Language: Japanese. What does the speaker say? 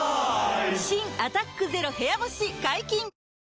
新「アタックＺＥＲＯ部屋干し」解禁‼